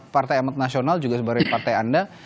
partai amat nasional juga sebagai partai anda